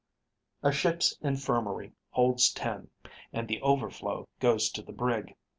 A ship's infirmary holds ten, and the overflow goes to the brig.